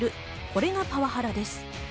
これがパワハラです。